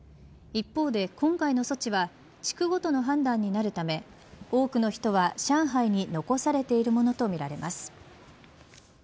一方で今回の措置は地区ごとの判断になるため多くの人は上海に残されているものとみられます。